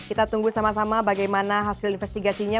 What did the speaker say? kita tunggu sama sama bagaimana hasil investigasinya